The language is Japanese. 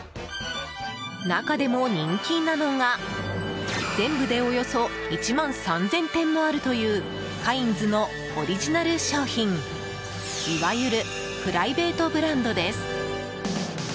中でも人気なのが、全部でおよそ１万３０００点もあるというカインズのオリジナル商品いわゆるプライベートブランドです。